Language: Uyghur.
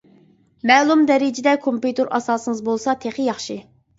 مەلۇم دەرىجىدە كومپيۇتېر ئاساسىڭىز بولسا تېخى ياخشى.